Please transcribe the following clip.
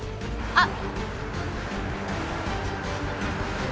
あっ。